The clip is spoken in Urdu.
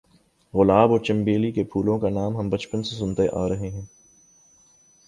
گلاب اور چنبیلی کے پھولوں کا نام ہم بچپن سے سنتے آ رہے ہیں